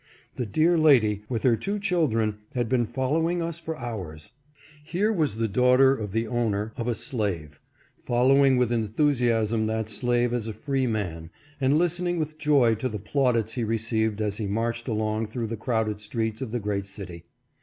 The dear lady, with her two children, had been following us for hours. Here was the daughter of the owner of a slave, following with enthusiasm that slave as a free man, and listening with joy to the plaudits he received as he marched along through the crowded streets of the great city.